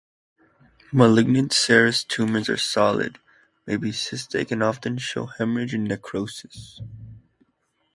"Malignant" serous tumours are solid, may be cystic and often show haemorrhage and necrosis.